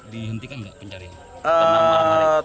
dihentikan nggak pencarian